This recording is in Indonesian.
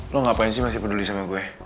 lo ngapain sih masih peduli sama gue